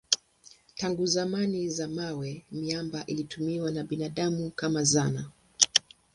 Tangu zama za mawe miamba ilitumiwa na binadamu kama zana.